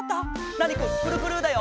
ナーニくんくるくるだよ。